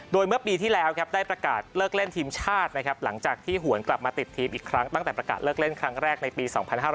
โดยเมื่อปีที่แล้วครับได้ประกาศเลิกเล่นทีมชาตินะครับหลังจากที่หวนกลับมาติดทีมอีกครั้งตั้งแต่ประกาศเลิกเล่นครั้งแรกในปี๒๕๕๙